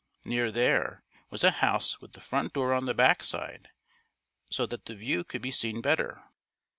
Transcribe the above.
Near there, was a house with the front door on the back side so that the view could be seen better.